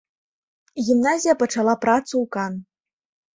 Гімназія пачала працу ў кан.